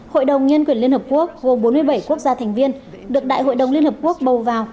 hội đồng nhân quyền liên hợp quốc gồm bốn mươi bảy quốc gia thành viên được đại hội đồng liên hợp quốc bầu vào